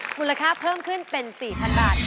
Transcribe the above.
มูลค่าเพิ่มขึ้นเป็น๔๐๐๐บาท